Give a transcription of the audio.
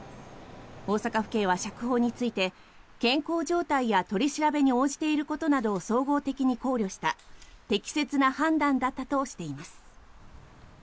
大阪府警は釈放について健康状態や取り調べに応じていることなどを総合的に考慮した適切な判断だったとしています。